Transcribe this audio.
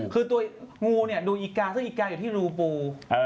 คือตัวงูเนี่ยดูอีกาซะอีกาอยู่ที่รูปู